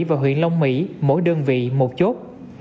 và huyện long mỹ mỗi đơn vị một chốt